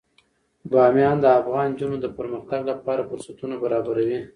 بامیان د افغان نجونو د پرمختګ لپاره فرصتونه برابروي.